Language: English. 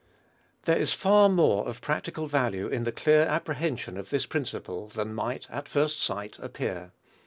There is far more of practical value in the clear apprehension of this principle than might, at first sight, appear.